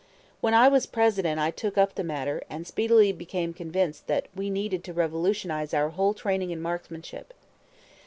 When I was President I took up the matter, and speedily became convinced that we needed to revolutionize our whole training in marksmanship.